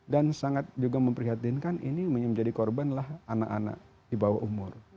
dan sangat juga memprihatinkan ini menjadi korban lah anak anak di bawah umur